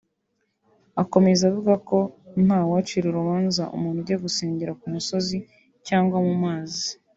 Akomeza avuga ko ntawacira urubanza umuntu ujya gusengera ku musozi cyangwa mu mazi